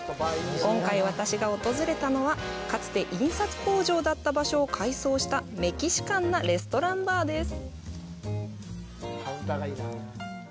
今回、私が訪れたのはかつて印刷工場だった場所を改装したメキシカンなレストランバーです。